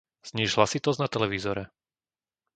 Zníž hlasitosť na televízore.